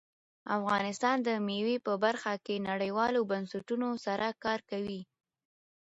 افغانستان د مېوې په برخه کې نړیوالو بنسټونو سره کار کوي.